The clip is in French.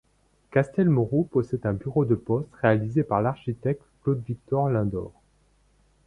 Castelmaurou possède un bureau de poste réalisé par l'architecte Claude Victor Lindor.